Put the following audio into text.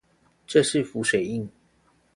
這是浮水印